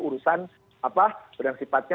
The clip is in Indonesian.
urusan apa dan sifatnya